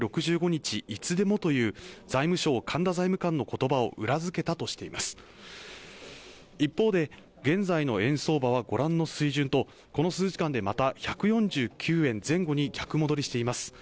いつでもという財務省神田財務官の言葉を裏付けたとしています一方で現在の円相場はご覧の水準とこの数時間でまた１４９円前後に逆戻りしています